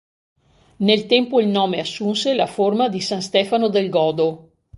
Nel tempo il nome assunse la forma di "San Stefano del Godo".